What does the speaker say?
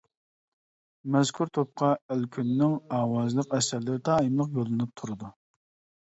مەزكۇر توپقا ئەلكۈننىڭ ئاۋازلىق ئەسەرلىرى دائىملىق يوللىنىپ تۇرىدۇ.